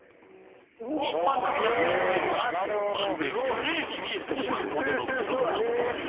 ［一般的な黒塗料がまるでグレーに見えてしまうほどの黒さ］